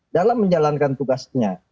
dalam menjalankan tugasnya